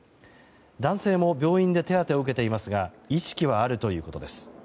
男性も病院で手当てを受けていますが意識はあるということです。